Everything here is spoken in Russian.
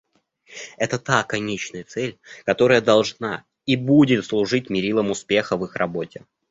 Это та конечная цель, которая должна и будет служить мерилом успеха в их работе.